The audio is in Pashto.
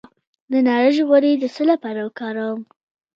د نارنج غوړي د څه لپاره وکاروم؟